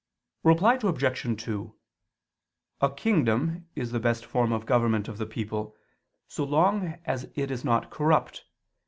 Reply Obj. 2: A kingdom is the best form of government of the people, so long as it is not corrupt.